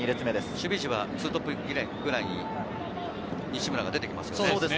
守備位置は２トップくらいで西村が出てきていますね。